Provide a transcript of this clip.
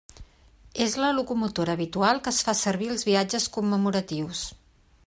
És la locomotora habitual que es fa servir als viatges commemoratius.